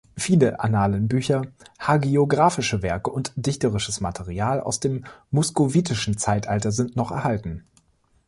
Viele Annalenbücher, hagiographische Werke und dichterisches Material aus dem Muskovitischen Zeitalter sind noch erhalten.